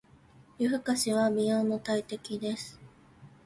夜更かしは美容の大敵です。